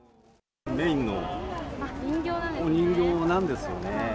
メインのお人形なんですよね。